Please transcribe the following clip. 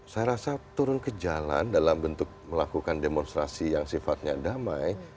saya rasa turun ke jalan dalam bentuk melakukan demonstrasi yang sifatnya damai